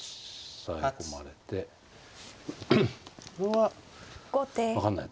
これは分かんない。